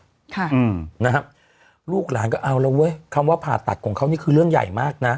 อืมนะฮะลูกหลานก็เอาแล้วเว้ยคำว่าผ่าตัดของเขานี่คือเรื่องใหญ่มากน่ะ